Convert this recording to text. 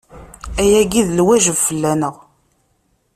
Ayagi d lwajeb fell-aneɣ.